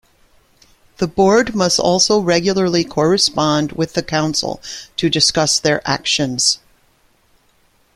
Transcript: The board must also regularly correspond with the council to discuss their actions.